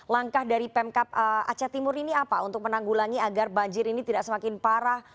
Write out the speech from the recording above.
langkah dari pemkap aceh timur ini apa untuk menanggulangi agar banjir ini tidak semakin parah